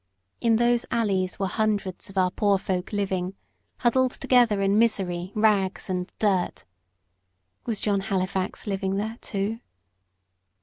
In those alleys were hundreds of our poor folk living, huddled together in misery, rags, and dirt. Was John Halifax living there too?